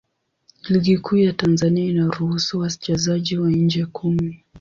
Ligi Kuu ya Tanzania inaruhusu wachezaji wa nje kumi.